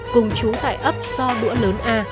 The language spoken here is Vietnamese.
cùng chú tại ấp so bữa lớn a